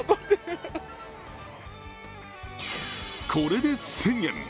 これで１０００円。